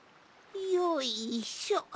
よいしょ。